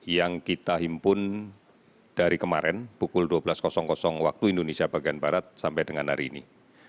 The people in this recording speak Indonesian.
yang kita himpun dari kemarin pukul dua belas waktu indonesia bagian barat sampai dengan hari ini